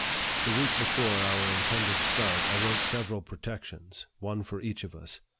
The week before our intended start, I wrote sev eral protections, one for each of us.